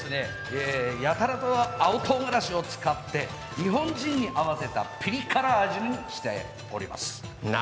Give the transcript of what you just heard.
やたらと青とうがらしを使って日本人に合わせたピリ辛味にしております。